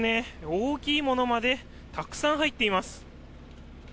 大きいものまでたくさん入っています。